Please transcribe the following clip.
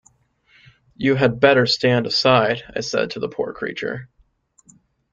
“You had better stand aside,” said I to the poor creature.